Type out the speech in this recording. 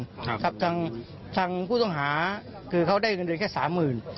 สำหรับทางผู้ต้องหาคือเขาได้เงินเดือนแค่๓๐๐๐๐บาท